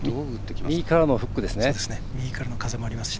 右からの風もありますし。